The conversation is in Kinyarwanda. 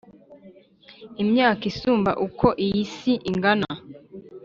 Imyaka isumba uko iyi si ingana